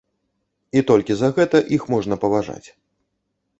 І толькі за гэта іх можна паважаць.